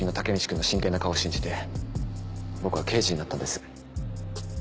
君の真剣な顔を信じて僕は刑事になったんです。